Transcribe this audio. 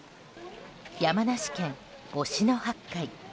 山梨県忍野八海。